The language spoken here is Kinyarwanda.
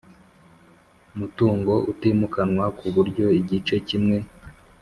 Mutungo utimukanwa ku buryo igice kimwe